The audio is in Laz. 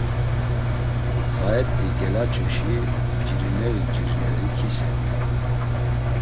Saat̆i gelaçuşi ncirineri ncirineri kiselu.